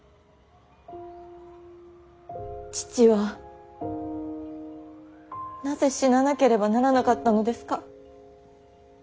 父はなぜ死ななければならなかったのですか。